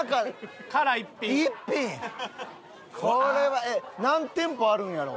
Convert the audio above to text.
これは何店舗あるんやろう？